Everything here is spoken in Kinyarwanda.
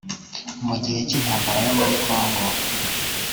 Mu gihe cy’intambara yo muri Kongo